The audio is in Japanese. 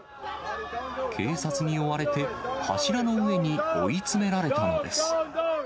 警察に追われて、柱の上に追い詰められたのです。